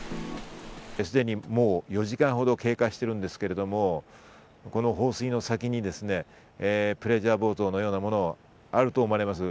すでに、もう４時間ほど経過しているんですけど、この放水の先にですね、プレジャーボートのようなものがあると思われます。